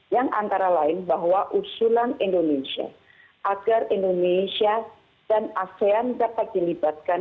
yang antara lain bahwa usulan indonesia agar indonesia dan asean dapat dilibatkan